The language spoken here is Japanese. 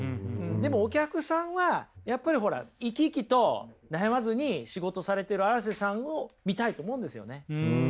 でもお客さんはやっぱりほら生き生きと悩まずに仕事されてる荒瀬さんを見たいと思うんですよね。